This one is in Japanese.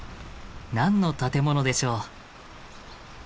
何の建物でしょう？